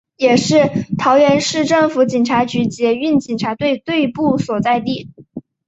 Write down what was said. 也是桃园市政府警察局捷运警察队队部所在地。